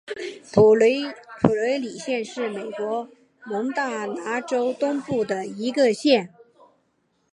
普雷里县是美国蒙大拿州东部的一个县。